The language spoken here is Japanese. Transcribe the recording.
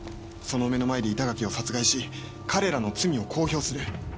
その目の前で板垣を殺害し彼らの罪を公表する。